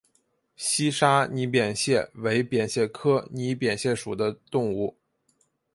南沙拟扁蟹为扁蟹科拟扁蟹属的动物。